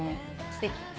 すてき。